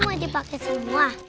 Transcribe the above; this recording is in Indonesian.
mami mau dipake semua